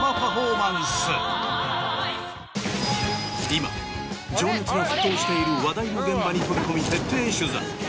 今情熱が沸騰している話題の現場に飛び込み徹底取材。